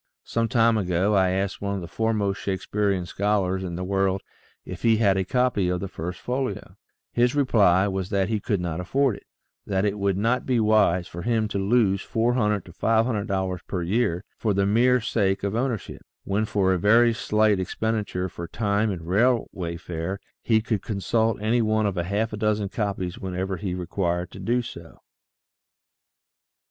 Some time ago I asked one of the foremost Shakesperian scholars in the world if he had a copy of the " First Folio." I/O THE SEVEN FOLLIES OF SCIENCE His reply was that he could not afford it ; that it would not be wise for him to lose $400 to $500 per year for the mere sake of ownership, when for a very slight expenditure for time and railway fare he could consult any one of half a dozen copies whenever he required to do so.